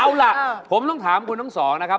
เอาล่ะผมต้องถามคุณทั้งสองนะครับ